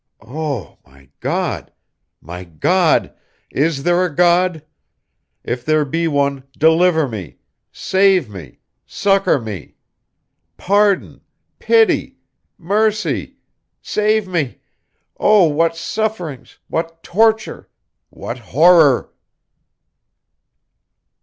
Oh! my God! my God! Is there a God? If there be one, deliver me! save me! succor me! Pardon! Pity! Mercy! Save me! Oh! what sufferings! what torture! what horror!